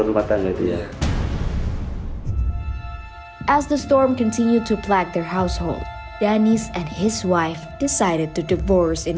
namun perkahwinan anak tidak hanya terjadi melalui dispensasi perkahwinan